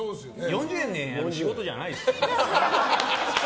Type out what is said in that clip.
４０年やる仕事じゃないですよ。